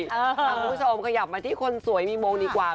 คุณผู้ชมขยับมาที่คนสวยมีมงดีกว่า